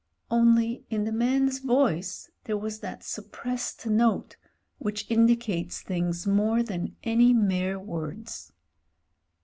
Only in the man's voice there was that suppressed note which indicates things more than any mere words.